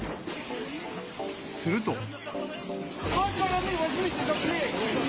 すると。